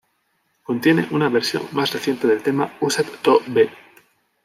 Contiene una versión más reciente del tema "Used to Be".